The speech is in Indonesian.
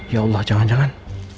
ya allah jangan jangan